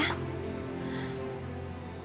nanti aku akan mengerti